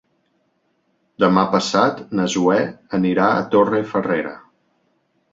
Demà passat na Zoè anirà a Torrefarrera.